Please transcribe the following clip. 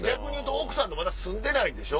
奥さんとまだ住んでないでしょ。